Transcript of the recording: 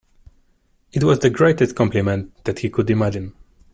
It was the greatest compliment that he could imagine.